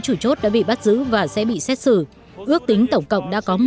lực lượng về binh cách mạng hồi giáo iran thông báo